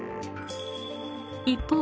一方